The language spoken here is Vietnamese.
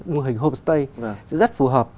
mô hình homestay sẽ rất phù hợp